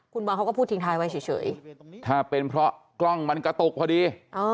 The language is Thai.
คุณบอลเขาก็พูดทิ้งท้ายไว้เฉยถ้าเป็นเพราะกล้องมันกระตุกพอดี